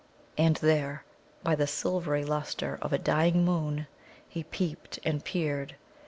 And there, by the silvery lustre of a dying moon, he peeped and peered.